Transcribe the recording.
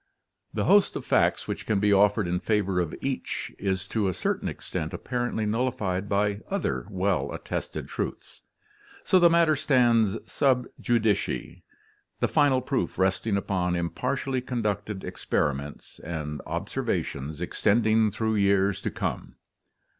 The host of facts which can be offered in favor of each is to a certain extent appar ently nullified by other well attested truths. So the matter stands sub judice, the final proof resting upon impartially conducted ex periments and observations extending through years to come.